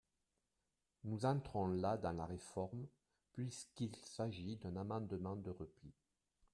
Nous entrons là dans la réforme, puisqu’il s’agit d’un amendement de repli.